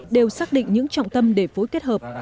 đều xác định những trọng tâm để phối kết hợp